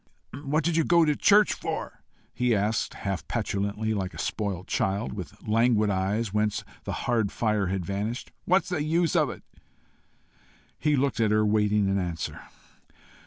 "What do you go to church for?" he asked, half petulantly, like a spoilt child, with languid eyes whence the hard fire had vanished. "What's the use of it?" He looked at her, waiting an answer.